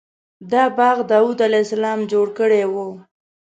دا باغ داود علیه السلام جوړ کړی و.